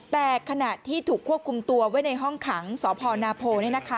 แต่ขณะที่ถูกควบคุมตัวไว้ในห้องขังสพนาโพ